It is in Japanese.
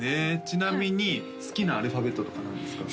ちなみに好きなアルファベットとか何ですか？